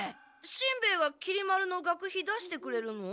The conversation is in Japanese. しんべヱがきり丸の学費出してくれるの？